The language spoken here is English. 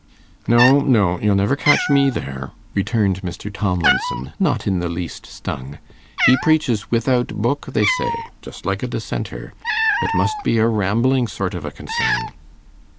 'No, no, you'll never catch me there,' returned Mr. Tomlinson, not in the least stung: 'he preaches without book, they say, just like a Dissenter. It must be a rambling sort of a concern.